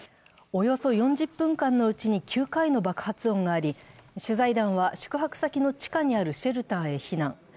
およそ４０分間のうちに９回の爆発音があり、取材団は宿泊先の地下にあるシェルターへ避難。